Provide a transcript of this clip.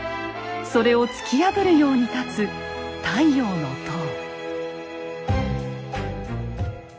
それを突き破るように立つ「太陽の塔」。